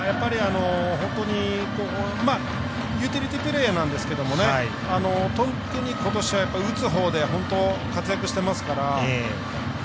本当にユーティリティープレーヤーなんですけど特にことしは打つほうで活躍してますから。